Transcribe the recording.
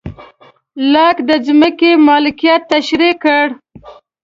لاک د ځمکې مالکیت تشرېح کړ.